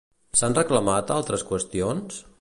S'han reclamat altres qüestions?